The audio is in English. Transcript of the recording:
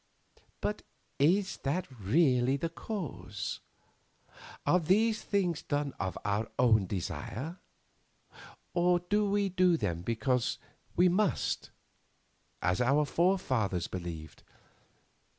But is that really the cause? Are these things done of our own desire, or do we do them because we must, as our forefathers believed?